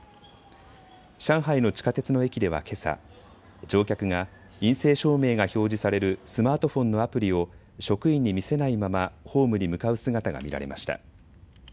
上海の地下鉄の駅では、けさ乗客が陰性証明が表示されるスマートフォンのアプリを職員に見せないままホームに向かう姿が見られました。